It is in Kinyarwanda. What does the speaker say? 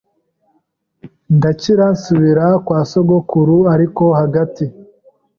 Ndakira nsubira kwa sogokuru ariko hagati